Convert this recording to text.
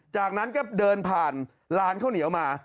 จากนั้นก็เดินผ่านร้านข้าวเหนียวมา